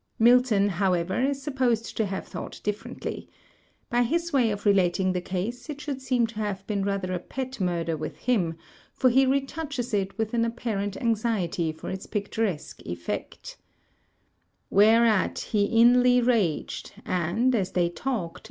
Milton, however, is supposed to have thought diflFerently. By his way of relating the case, it should seem to have been rather a pet murder with him, for he retouches it with an apparent anxiety for its picturesque effect: —* Whereat he inly raged; and, as they talk'd.